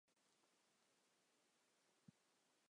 早年毕业于国立浙江大学。